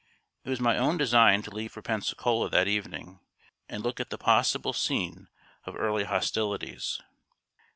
It was my own design to leave for Pensacola that evening, and look at the possible scene of early hostilities.